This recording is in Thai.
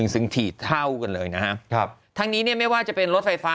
ซึ่งถีดเท่ากันเลยนะครับทั้งนี้เนี่ยไม่ว่าจะเป็นรถไฟฟ้า